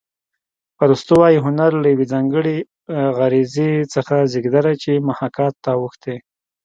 ارستو وايي هنر له یوې ځانګړې غریزې څخه زېږېدلی چې محاکات ته اوښتې